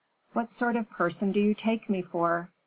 "What sort of person do you take me for?"